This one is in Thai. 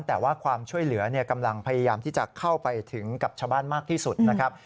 แต่ว่าความช่วยเหลือกำลังพยายามที่จะเข้าไปถึงกับชาวบ้านมากที่สุดนะครับ